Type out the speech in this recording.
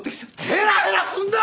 ヘラヘラするな！